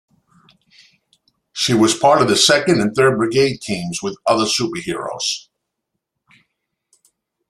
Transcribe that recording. She was part of the second and third Brigade teams with other superheroes.